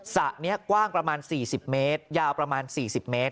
สระนี้กว้างประมาณ๔๐เมตรยาวประมาณ๔๐เมตร